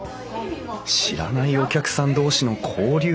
知らないお客さん同士の交流。